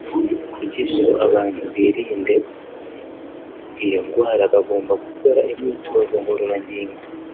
Kugira ngo abantu birinde iyo ndwara bagomba gukora imyitozo ngororangingo